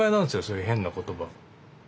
そういう変な言葉。